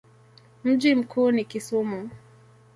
Mji mkuu ni Kisumu.